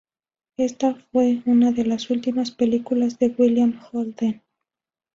Ésta fue una de las últimas películas de William Holden.